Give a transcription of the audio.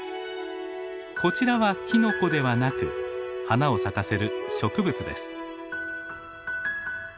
こちらはキノコではなく花を咲かせる植物です。